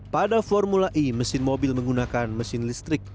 pada formula e mesin mobil menggunakan mesin listrik